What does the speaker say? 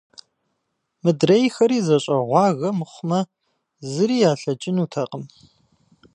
Мыдрейхэри зэщӀэгъуагэ мыхъумэ, зыри ялъэкӀынутэкъым.